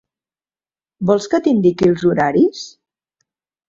Vols que t'indiqui els horaris?